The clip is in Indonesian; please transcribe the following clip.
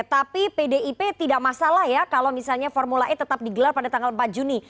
tapi pdip tidak masalah ya kalau misalnya formula e tetap digelar pada tanggal empat juni